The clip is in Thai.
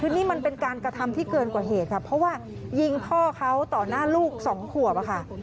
คือนี่มันเป็นการกระทำที่เกินกว่าเหตุค่ะเพราะว่ายิงพ่อเขาต่อหน้าลูกสองขวบอะค่ะ